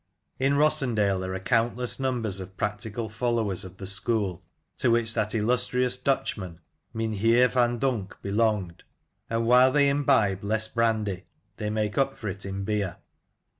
"In Rossendale there are countless numbers of practical followers of the school to which that illustrious Dutchman, Mynheer Van Dunck, belonged, and while they imbibe less brandy, they make up for it in beer.